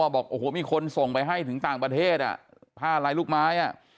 บอกโอ้โหมีคนส่งไปให้ถึงต่างประเทศอ่ะผ้าลายลูกไม้